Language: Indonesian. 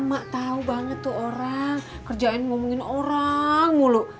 mak tau banget tuh orang kerjain ngomongin orang mulu